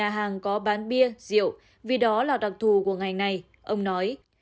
hàng có bán bia rượu vì đó là đặc thù của ngành này ông nói